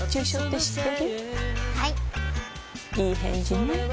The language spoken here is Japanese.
いい返事ね